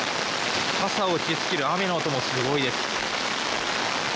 傘に打ちつける雨の音もすごいです。